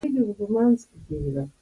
• د ملګري ملګرتیا د روح خواړه دي.